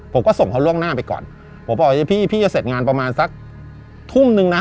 ผมก็ส่งเขาล่วงหน้าไปก่อนผมบอกพี่พี่จะเสร็จงานประมาณสักทุ่มนึงนะ